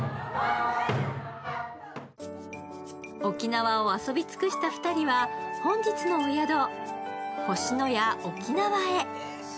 沖縄を遊び尽くした２人は本日のお宿、星のや沖縄へ。